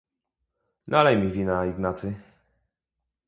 "Nalej mi wina, Ignacy."